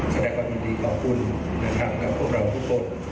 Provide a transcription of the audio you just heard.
แสดงวันมีดีขอบคุณและพวกผู้คน